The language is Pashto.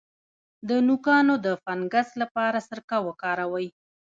د نوکانو د فنګس لپاره سرکه وکاروئ